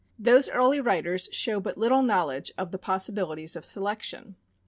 Tin se early writers show but little knowledge of the possibilities of selection.